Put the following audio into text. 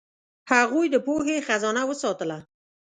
هغوی د پوهې خزانه وساتله.